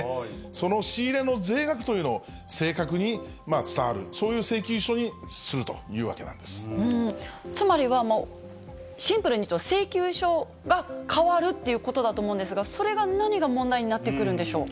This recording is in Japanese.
その仕入れの税額というのを正確に伝わる、そういう請求書にするつまりは、シンプルに言うと請求書が変わるっていうことだと思うんですが、それが、何が問題になってくるんでしょう。